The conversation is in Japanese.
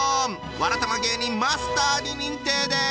わらたま芸人マスターに認定です！